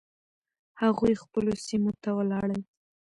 هغوی خپلو سیمو ته ولاړل.